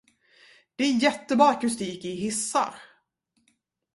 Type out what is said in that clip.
Det är jättebra akustik i hissar.